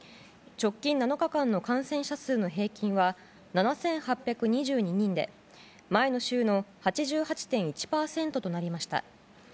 直近７日間の感染者数の平均は７８２２人で前の週の８８．１％となりました。